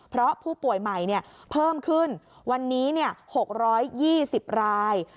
เพราะผู้ป่วยใหม่เพิ่มขึ้นวันนี้๖๒๐ราย